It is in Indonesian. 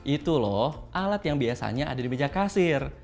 itu loh alat yang biasanya ada di meja kasir